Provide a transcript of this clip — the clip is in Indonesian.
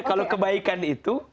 kalau kebaikan itu